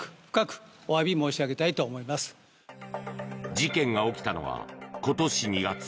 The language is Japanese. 事件が起きたのは今年２月。